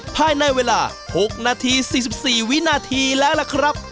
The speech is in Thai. ภายในเวลา๖นาที๔๔วินาทีแล้วล่ะครับ